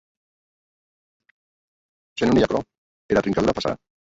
Se non ei qu’aquerò, era trincadura passarà.